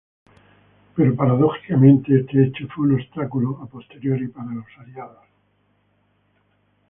Pero paradójicamente este hecho fue un obstáculo a posteriori para los Aliados.